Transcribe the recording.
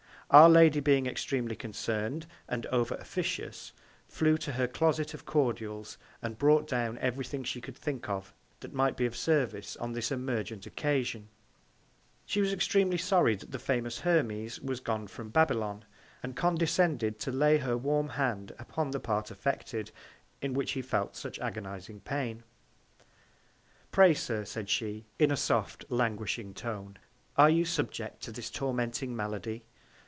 Our Lady being extremely concern'd, and over officious, flew to her Closet of Cordials, and brought down every Thing she could think of that might be of Service on this emergent Occasion. She was extremely sorry that the famous Hermes was gone from Babylon, and condescended to lay her warm Hand upon the Part affected, in which he felt such an agonizing Pain. Pray Sir, said she, in a soft, languishing Tone, are you subject to this tormenting Malady?